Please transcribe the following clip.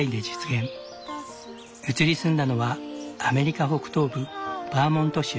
移り住んだのはアメリカ北東部バーモント州。